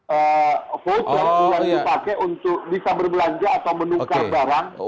ee voucher yang dipakai untuk bisa berbelanja atau menukar barang